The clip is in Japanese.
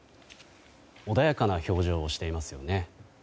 穏やかな表情をしていますよね。